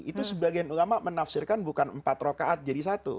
itu sebagian ulama menafsirkan bukan empat rokaat jadi satu